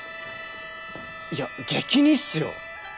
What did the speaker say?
いや激似っすよ。